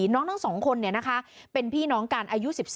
น้องทั้งสองคนเนี่ยนะคะเป็นพี่น้องกันอายุ๑๔